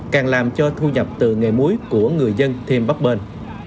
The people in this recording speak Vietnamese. càng làm cho thu nhập từ nghề muối của người dân thêm bắt bền